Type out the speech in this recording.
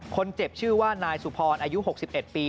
คนเจ็บชื่อว่านายสุพรอายุ๖๑ปี